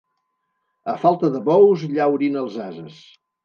A falta de bous, llaurin els ases.